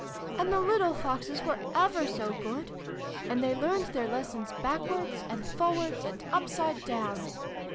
" And the little Foxes were ever so good ! And they learned their lessons backwards, and forwards, and upside down.